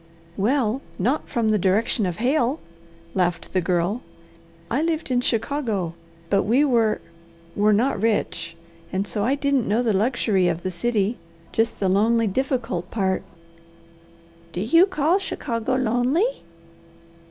"Well not from the direction of hail," laughed the Girl. "I lived in Chicago, but we were were not rich, and so I didn't know the luxury of the city; just the lonely, difficult part." "Do you call Chicago lonely?"